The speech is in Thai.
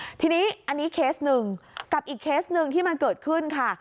ทีนี้อันนี้เคสหนึ่งกับอีกเคสหนึ่งที่มันเกิดขึ้นค่ะ